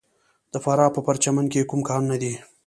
د فراه په پرچمن کې کوم کانونه دي؟